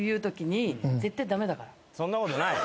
そんなことない。